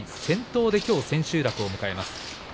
先頭できょう千秋楽を迎えます。